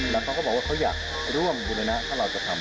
แล้วเขาก็บอกว่าเขาอยากร่วมบุรณะถ้าเราจะทำ